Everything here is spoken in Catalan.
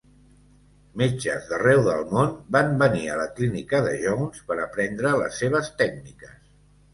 Metges d'arreu del món van venir a la clínica de Jones per aprendre les seves tècniques.